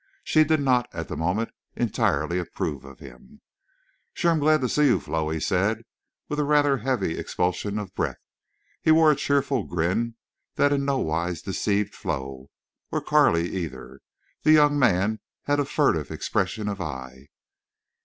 She did not, at the moment, entirely approve of him. "Shore am glad to see you, Flo," he said, with rather a heavy expulsion of breath. He wore a cheerful grin that in no wise deceived Flo, or Carley either. The young man had a furtive expression of eye.